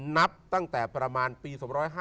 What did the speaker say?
นับตั้งแต่ประมาณปี๒๕๕๙